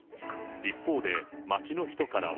一方で、街の人からは。